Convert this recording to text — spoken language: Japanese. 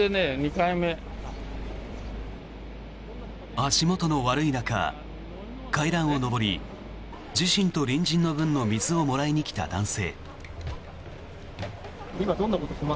足元の悪い中、階段を上り自身と隣人の分の水をもらいに来た男性。